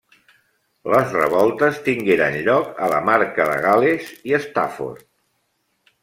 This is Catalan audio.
Les revoltes tingueren lloc a la Marca de Gal·les i Stafford.